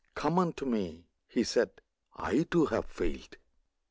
Come unto Me,' He said; 'I, too, have failed.